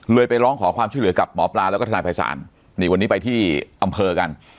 ไปร้องขอความช่วยเหลือกับหมอปลาแล้วก็ทนายภัยศาลนี่วันนี้ไปที่อำเภอกัน